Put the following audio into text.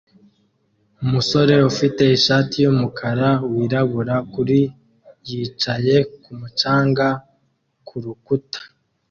umusore ufite ishati yumukara wirabura kuri yicaye kumu canga kurukuta